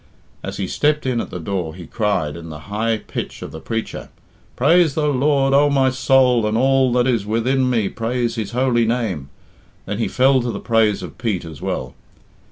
As he stepped in at the door he cried, in the high pitch of the preacher, "Praise the Lord, O my soul, and all that is within me praise His holy name!" Then he fell to the praise of Pete as well.